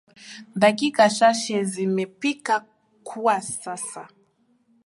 Dakika chache zimepita kwa sasa.